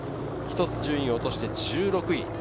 一つ順位を落として１６位。